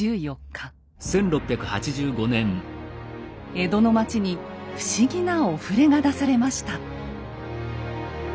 江戸の町に不思議なお触れが出されました。